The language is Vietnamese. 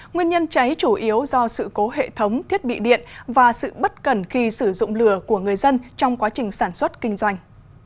nguyên nhân cháy chủ yếu do sự cố hệ thống thiết bị điện và sự bất cần khi sử dụng lửa của người dân trong quá trình sản xuất kinh doanh